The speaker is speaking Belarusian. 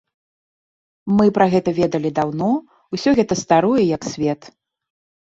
Мы пра гэта ведалі даўно, усё гэта старое, як свет.